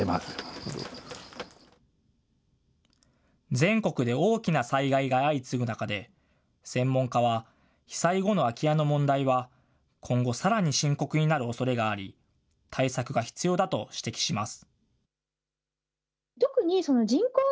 全国で大きな災害が相次ぐ中で、専門家は被災後の空き家の問題は、今後、さらに深刻になるおそれがあり、対策が必要だと指摘します。